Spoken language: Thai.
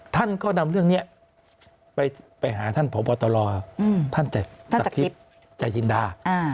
ท่านก็ดำเรื่องนี้ไปหาท่านผงบอตรอท่านจักริปจัยจินดา